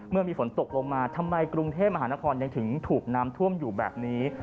เมื่อมีฝนตกลงมาทำไมกรุงเทพมหานครยังถึงถูกน้ำท่วมอยู่แบบนี้